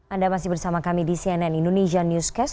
anda masih bersama kami di cnn indonesia newscast